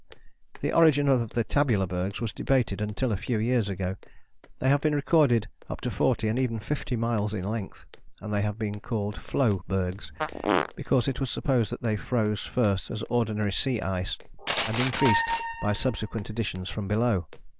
The origin of the tabular bergs was debated until a few years ago. They have been recorded up to forty and even fifty miles in length, and they have been called floe bergs, because it was supposed that they froze first as ordinary sea ice and increased by subsequent additions from below.